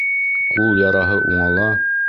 Ҡул яраһы уңала